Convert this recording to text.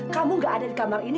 kamu gak ada di kamar ini